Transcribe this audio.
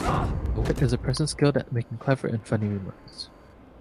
A wit is a person skilled at making clever and funny remarks.